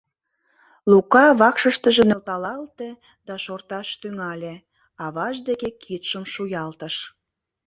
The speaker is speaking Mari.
Лука вакшыштыже нӧлталалте да шорташ тӱҥале, аваж деке кидшым шуялтыш.